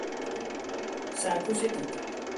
سر پوش دیگ